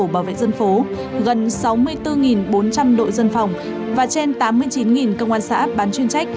bảo vệ dân phố gần sáu mươi bốn bốn trăm linh đội dân phòng và trên tám mươi chín công an xã bán chuyên trách